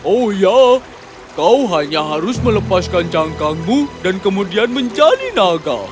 oh ya kau hanya harus melepaskan cangkangku dan kemudian menjadi naga